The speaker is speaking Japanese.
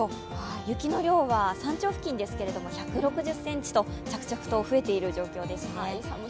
雪の量は山頂付近で１６０ｃｍと着々と増えている状況です。